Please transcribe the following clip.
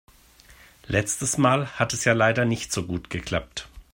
Letztes Mal hat es ja leider nicht so gut geklappt.